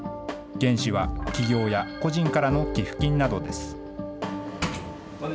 原資は企業や個人からの寄付金などです。